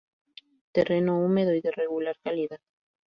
Terreno húmedo y de regular calidad.